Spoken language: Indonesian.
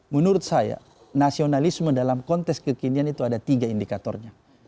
menurut saya nasionalisme dalam konteks kekinian itu ada tiga indikatornya